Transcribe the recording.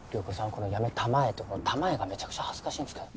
このやめたまえ！ってこのたまえがめちゃくちゃ恥ずかしいんですけど。